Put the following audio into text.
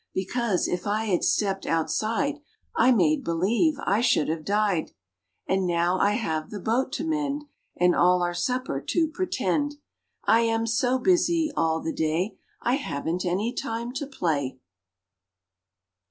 Because, if I had stepped Outside, I made believe I should have died! And now I have the boat to mend; And all our supper to pretend. I am so Busy, all the day, I haven't any time to play.